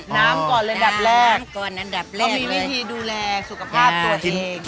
น้ำก่อนแรงดับแรก